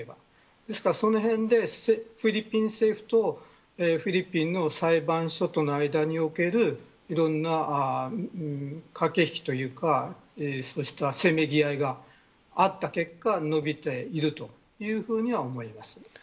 ですから、そのへんでフィリピン政府とフィリピンの裁判所との間におけるいろんな駆け引きというかそうしたせめぎ合いがあった結果伸びているというふうには思います。